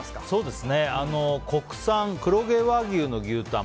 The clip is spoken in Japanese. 国産黒毛和牛の牛タン